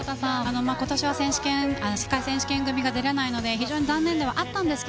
今年は世界選手権組が出ないので残念ではあったんですが